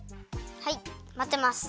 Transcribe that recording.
はいまってます。